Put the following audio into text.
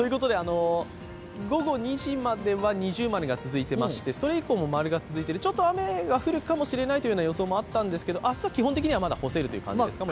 午後２時までは◎が続いていましてそれ以降も○が続いてる、ちょっと雨が降るかもという予想はありましたけれども明日は基本的にはまだ干せるという感じですか。